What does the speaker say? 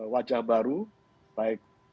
wajah baru baik